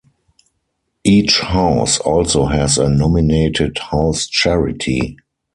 Each house also has a nominated house charity.